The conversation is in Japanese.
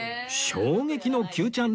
衝撃の Ｑ ちゃん